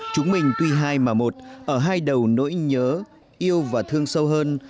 chúng mình tuy hai mà một ở hai đầu nỗi nhớ yêu và thương sâu hơn